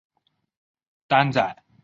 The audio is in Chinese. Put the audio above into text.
担仔面是一种发源于台湾台南的小吃。